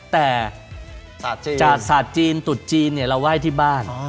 แต่จากศาสตร์จีนตุดจีนเราว่ายที่บ้าน